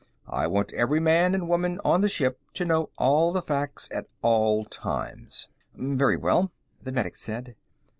I want every man and woman on the ship to know all the facts at all times." "Very well," the medic said.